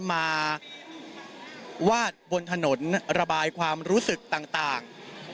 มาวาดบนถนนระบายความรู้สึกต่าง